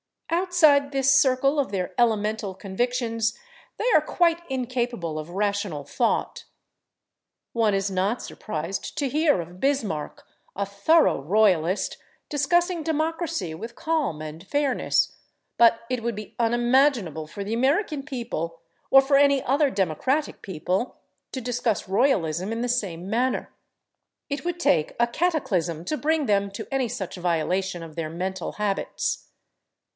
Outside this circle of their elemental convictions they are quite incapable of rational thought. One is not surprised to hear of Bismarck, a thorough royalist, discussing democracy with calm and fairness, but it would be unimaginable for the American people, or for any other democratic people, to discuss royalism in the same manner: it would take a cataclysm to bring them to any such violation of their mental habits.